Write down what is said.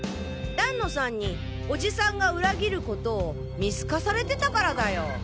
団野さんにおじさんが裏切ることを見透かされてたからだよ。